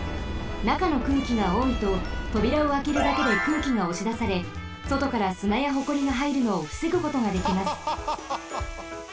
なかの空気がおおいととびらをあけるだけで空気がおしだされそとからすなやホコリがはいるのをふせぐことができます。